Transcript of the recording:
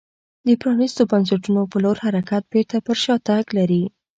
پرانیستو بنسټونو په لور حرکت بېرته پر شا تګ لري